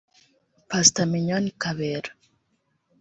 Pastor Mignone Kabera